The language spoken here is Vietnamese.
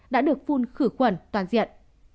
đã được phun khử khuẩn toàn diện